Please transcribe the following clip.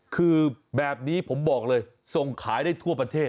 คือแบบนี้ผมบอกเลยส่งขายได้ทั่วประเทศ